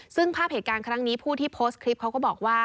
ซึ่งภาพเหตุการณ์ครั้งนี้ผู้ที่โพสต์คลิปเขาก็บอกว่า